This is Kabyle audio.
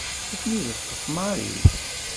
Ad ten-id-taf Mary.